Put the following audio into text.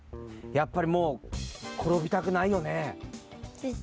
やっぱりもうころびたくないよね。